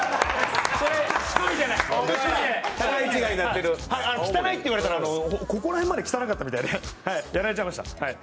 これは仕込みじゃない、汚いって言われたら、ここら辺まで汚かったみたいで、やられちゃいました。